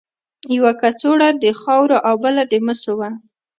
یوه کڅوړه د خاورو او بله د مسو وه.